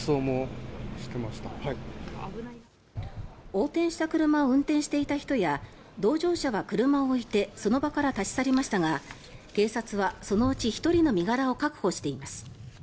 横転した車を運転していた人や同乗者は車を置いてその場から立ち去りましたが警察はそのうち１人の身柄を確保しています。